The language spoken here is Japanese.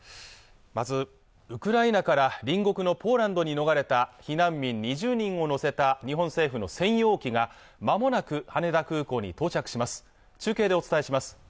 まずウクライナから隣国のポーランドに逃れた避難民２０人を乗せた日本政府の専用機がまもなく羽田空港に到着します